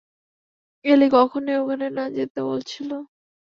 এলি কখনোই ওখানে না যেতে বলেছিল।